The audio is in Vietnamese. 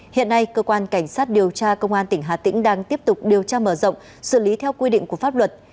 hiện nay cơ quan cảnh sát điều tra công an tỉnh hà tĩnh đang tiếp tục điều tra mở rộng xử lý theo quy định của pháp luật